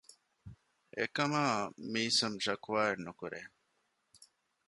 އެކަމާ މީސަމް ޝަކުވާއެއް ނުކުރޭ